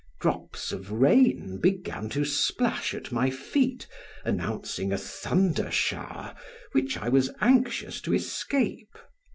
Drops of rain began to splash at my feet, announcing a thunder shower which I was anxious to escape.